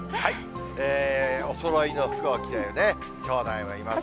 おそろいの服を着てるね、きょうだいもいますし。